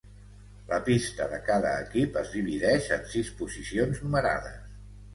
La pista de cada equip es divideix en sis posicions numerades.